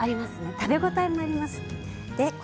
食べ応えもあります。